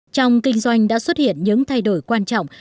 trong kinh doanh đã xuất hiện những thay đổi quan trọng